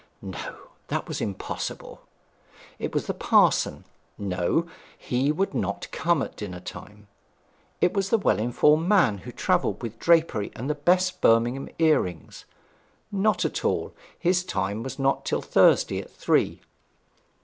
No; that was impossible. It was the parson? No; he would not come at dinner time. It was the well informed man who travelled with drapery and the best Birmingham earrings? Not at all; his time was not till Thursday at three.